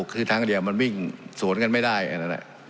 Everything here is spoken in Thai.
คือทางเดียวมันวิ่งสวนกันไม่ได้อันนั้นแหละ